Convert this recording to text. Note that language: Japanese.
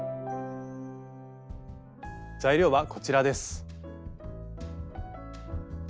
材料はこちらです。